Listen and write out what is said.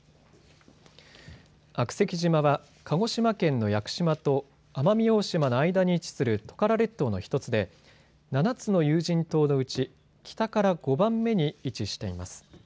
悪石島は鹿児島県の屋久島と奄美大島の間に位置するトカラ列島の一つで７つの有人島のうち北から５番目に位置しています。